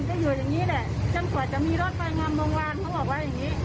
ก็อยู่อย่างนี้แหละจนกว่าจะมีรถไฟงามโรงงานเขาบอกว่าอย่างนี้